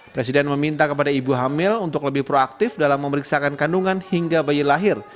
presiden meminta kepada ibu hamil untuk lebih proaktif dalam memeriksakan kandungan hingga bayi lahir